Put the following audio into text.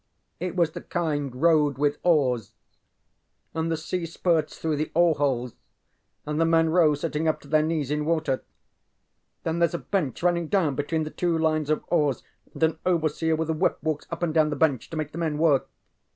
ŌĆØ ŌĆ£It was the kind rowed with oars, and the sea spurts through the oar holes and the men row sitting up to their knees in water. Then thereŌĆÖs a bench running down between the two lines of oars and an overseer with a whip walks up and down the bench to make the men work.